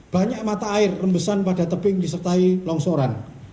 banyak mata air rembesan pada tebing disertai longsoran